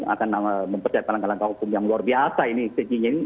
akan mempercayai perangkat hukum yang luar biasa ini